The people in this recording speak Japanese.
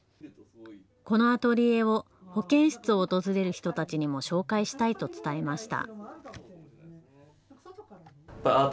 このアトリエを保健室を訪れる人たちにも紹介したいと伝えました。